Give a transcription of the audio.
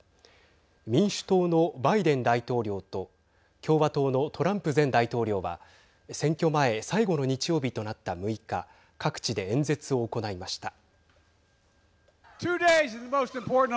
民主党のバイデン大統領と共和党のトランプ前大統領は選挙前最後の日曜日となった６日各地で演説を行いました。